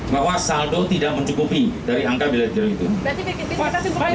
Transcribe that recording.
bahwa saldo tidak mencukupi dari angka bilet giro